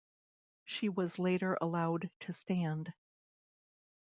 She was later allowed to stand.